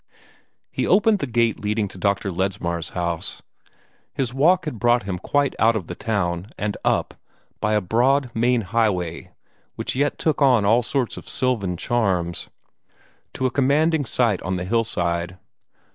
He opened the gate leading to Dr. Ledsmar's house. His walk had brought him quite out of the town, and up, by a broad main highway which yet took on all sorts of sylvan charms, to a commanding site on the hillside.